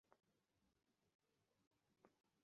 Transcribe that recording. ঠিক বুঝলাম না।